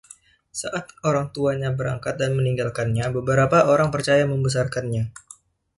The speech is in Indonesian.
Saat orang tuanya berangkat dan meninggalkannya, beberapa orang percaya membesarkannya.